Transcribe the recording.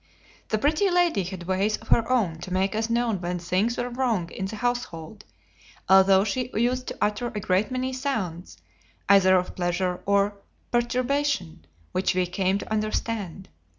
The Pretty Lady had ways of her own to make us know when things were wrong in the household, although she used to utter a great many sounds, either of pleasure or perturbation, which we came to understand.